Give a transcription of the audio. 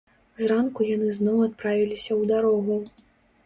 Зранку яны зноў адправіліся ў дарогу.